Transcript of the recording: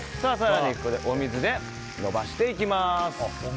更にここでお水で伸ばしていきます。